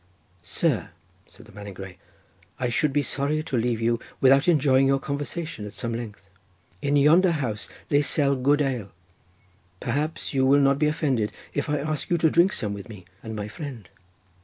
"Sir," said the man in grey, "I should be sorry to leave you without enjoying your conversation at some length. In yonder house they sell good ale, perhaps you will not be offended if I ask you to drink some with me and my friend?"